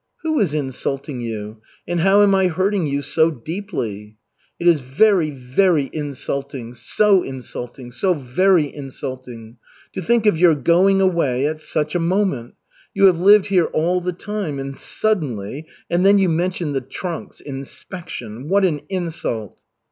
"Who is insulting you? And how am I hurting you so deeply?" "It is very very insulting. So insulting, so very insulting! To think of your going away at such a moment! You have lived here all the time and suddenly and then you mention the trunks inspection what an insult!"